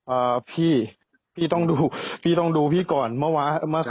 อ่าพี่พี่ต้องดูพี่ต้องดูพี่ก่อนเมื่อวานเมื่อก่อน